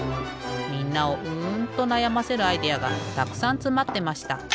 みんなをうんとなやませるアイデアがたくさんつまってました。